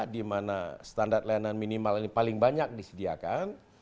dimana standar layanan minimal ini paling banyak disediakan